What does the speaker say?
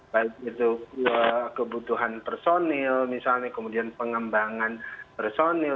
baik itu kebutuhan personil misalnya kemudian pengembangan personil